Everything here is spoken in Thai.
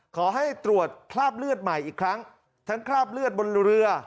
ขอให้ตรวจคราบเลือดใหม่อีกครั้งทั้งคราบเลือดบนเรือ